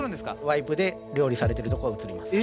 ワイプで料理されてるとこが映ります。